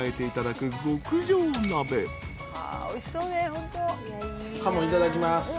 いただきます。